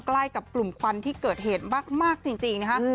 ใกล้กับกลุ่มควันที่เกิดเหตุมากจริงนะคะ